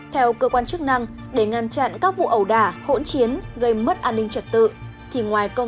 theo cơ quan chức năng để ngăn chặn các vụ ẩu đả hỗn chiến gây mất an ninh trật tự